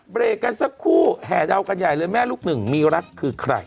เบรกกันสักครู่แห่เดากันใหญ่เลยแม่ลูกหนึ่งมีรักคือใคร